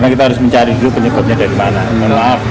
kita harus mencari dulu penyebabnya dari mana